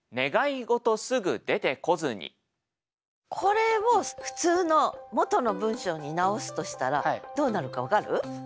これを普通の元の文章に直すとしたらどうなるか分かる？